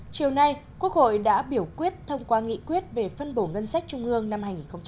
chiều nay quốc hội đã biểu quyết thông qua nghị quyết về phân bổ ngân sách trung ương năm hai nghìn hai mươi